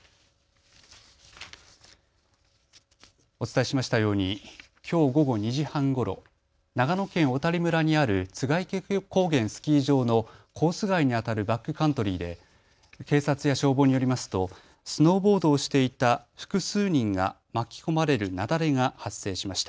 お伝えしましたようにきょう午後２時半ごろ、長野県小谷村にある栂池高原スキー場のコース外にあたるバックカントリーで警察や消防によりますとスノーボードをしていた複数人が巻き込まれる雪崩が発生しました。